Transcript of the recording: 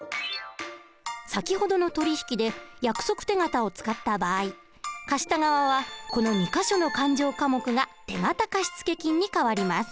先ほどの取引で約束手形を使った場合貸した側はこの２か所の勘定科目が手形貸付金に変わります。